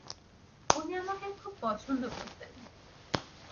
উনি আমাকে খুব পছন্দ করতেন।